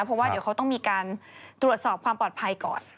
เพราะว่าเดี๋ยวเขาต้องมีการตรวจสอบความปลอดภัยก่อน